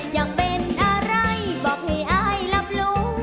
อยากเป็นอะไรบอกให้อายรับรู้